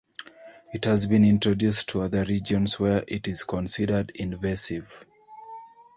It has been introduced to other regions where it is considered invasive.